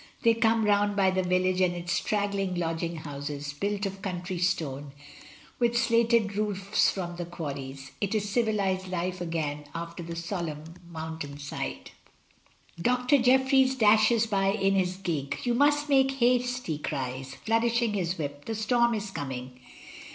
They come round by the village with its straggling lodging houses, built of country stone, with slated roofs from the quarries. It is civilised life again after the solenm mountain side. Doctor Jeffries dashes by in his gig. "You must make haste," he cries, flourishing his whip; "the storm is coming."